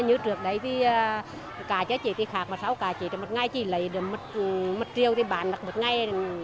như trước đấy thì cá chế thì khác mà sáu cá chế thì một ngày chị lấy được một triệu thì bán được một ngày